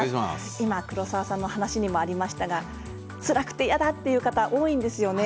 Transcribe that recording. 黒沢さんの話にありましたがつらくて嫌だという方多いんですよね。